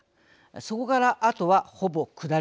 そこからあとはほぼ下り坂です。